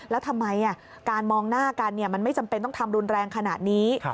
แล้วทำไมการมองหน้ากันมันไม่จำเป็นต้องทำรุนแรงขนาดนี้